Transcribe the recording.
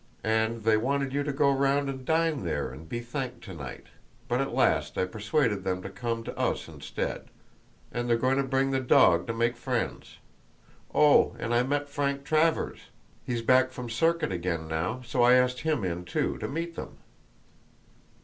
And they wanted you to go round and dine there and be thanked to night, but at last I persuaded them to come to us instead. And they're going to bring the dog to make friends. Oh, and I met Frank Travers; he's back from circuit again now, so I asked him in too to meet them!"